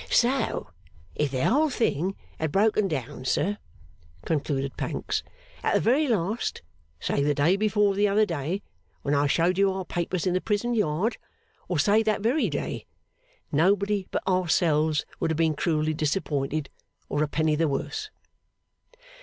'So if the whole thing had broken down, sir,' concluded Pancks, 'at the very last, say the day before the other day when I showed you our papers in the Prison yard, or say that very day, nobody but ourselves would have been cruelly disappointed, or a penny the worse.